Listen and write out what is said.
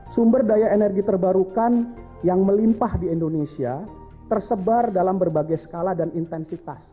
sumber daya energi terbarukan yang melimpah di indonesia tersebar dalam berbagai skala dan intensitas